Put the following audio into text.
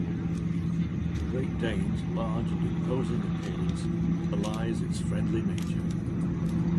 The Great Dane's large and imposing appearance belies its friendly nature.